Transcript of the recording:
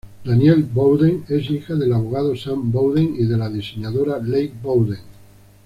Danielle Bowden es hija del abogado Sam Bowden y de la diseñadora Leigh Bowden.